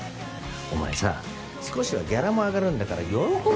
お前さ少しはギャラも上がるんだから喜べよ。